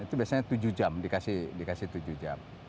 ini pasnya tujuh jam dikasih tujuh jam